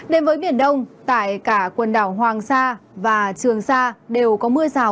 đến với biển đông tại cả quần đảo hoàng sa và trường sa đều có mưa rào